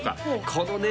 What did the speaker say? このね